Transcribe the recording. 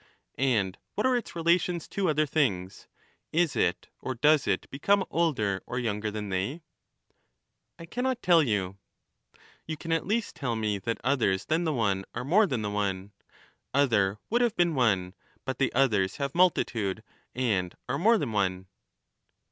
And what are its relations to other things ? Is it or does it become older or younger than they ? I cannot tell you. You can at least tell me that others than the one are more than the one— other would have been one, but the others have multitude, and are more than one